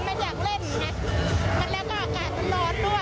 แล้วก็อากาศมันรอดด้วยอากาศมันรอดด้วย